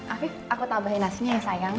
afif aku tambahin nasinya ya sayang